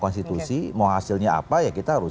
konstitusi mau hasilnya apa ya kita harus